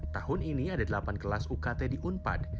tahun ini ada delapan kelas ukt di unpad